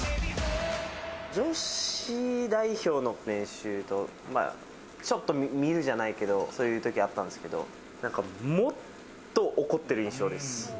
女子代表の練習を、ちょっと見るじゃないけど、そういうときあったんですけど、なんか、もっと怒ってる印象です。